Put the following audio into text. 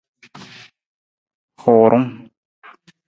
Huurung.